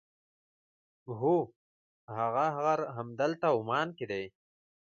هو هغه غار همدلته عمان کې دی.